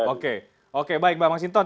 oke oke baik mbak mas hinton